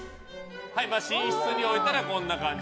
寝室に置いたらこんな感じ。